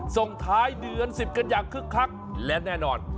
ส่งท้ายเดือน๑๐กันอย่างคึกคักและแน่นอน